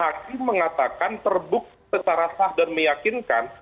hakim mengatakan terbukti secara sah dan meyakinkan